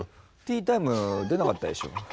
「ティータイム出なかったでしょ」。